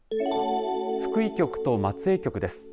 福井局と松江局です。